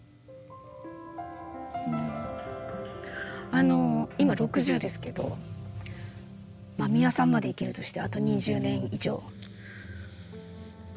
あの今６０ですけど美輪さんまで生きるとしてあと２０年以上どうやって。